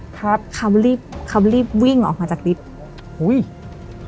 ครับเขารีบเขารีบวิ่งออกมาจากลิฟต์อุ้ย